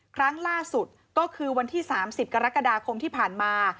ครั้งล่าสุดก็คือวันที่๓๐กรกฎาคมที่ผ่านมา